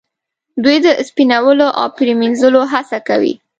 دوی د سپینولو او پریمینځلو هڅه کوي.